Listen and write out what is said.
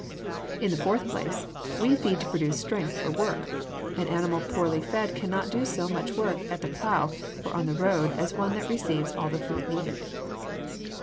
In the fourth place, we feed to produce strength for work. An animal poorly fed cannot do so much work at the plow or on the road as one that receives all the food needed.